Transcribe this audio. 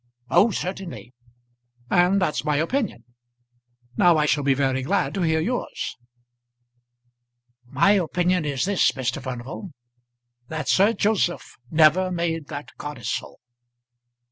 "Oh, certainly!" "And that's my opinion. Now I shall be very glad to hear yours." "My opinion is this, Mr. Furnival, that Sir Joseph never made that codicil."